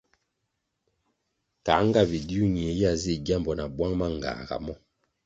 Kā nga bidiu ñie ya zih gyambo na bwang mangāga mo?